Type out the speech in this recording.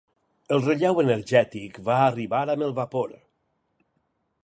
El relleu energètic va arribar amb el vapor.